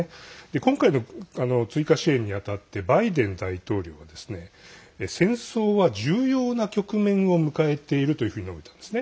今回の追加支援にあたってバイデン大統領は戦争は重要な局面を迎えているというふうに述べたんですね。